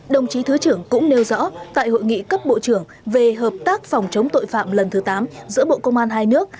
đồng chí thứ trưởng cũng nêu rõ tại hội nghị cấp bộ trưởng về hợp tác phòng chống tội phạm lần thứ tám giữa bộ công an hai nước